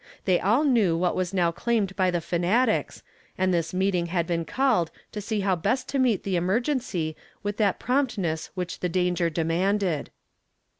They all knew what was now claimed by the fanatics, and this meeting had been called to see how best to meet the emergency with that promptness which the danger demanded.